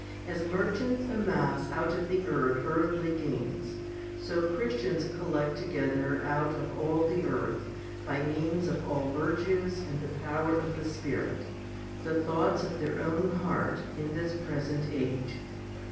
As merchants amass out of the earth earthly gains, so Christians collect together out of all the earth, by means of all virtues and the power of the Spirit, the thoughts of their own heart in this present age.